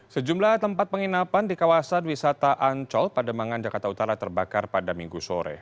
sejumlah tempat penginapan di kawasan wisata ancol pademangan jakarta utara terbakar pada minggu sore